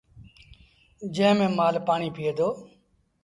جݩهݩ ميݩ مآل پآڻيٚ پيٚئيٚ دو۔